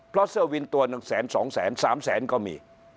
เพราะเสื้อวินตัวหนึ่งแสนสองแสน๓แสนก็มี